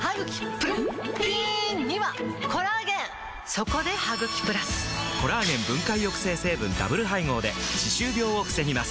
そこで「ハグキプラス」！コラーゲン分解抑制成分ダブル配合で歯周病を防ぎます